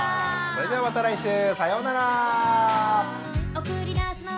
それではまた来週さようなら。